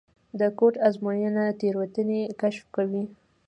د کوډ ازموینه تېروتنې کشف کوي.